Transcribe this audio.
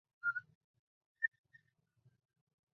直萼虎耳草为虎耳草科虎耳草属下的一个种。